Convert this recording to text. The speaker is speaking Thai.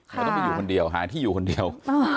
ก็ต้องไปอยู่คนเดียวหาที่อยู่คนเดียว